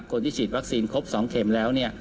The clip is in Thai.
คนที่ฉีดวัคซีนครบ๒เข็มแล้วเนี่ย